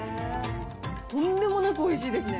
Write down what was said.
とんでもなくおいしいですね。